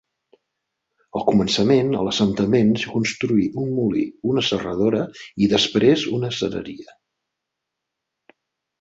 Al començament a l'assentament s'hi construí un molí, una serradora i després una acereria.